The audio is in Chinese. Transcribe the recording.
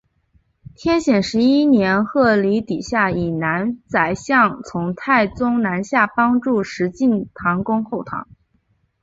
天显十一年鹘离底以南府宰相从太宗南下帮助石敬瑭攻后唐。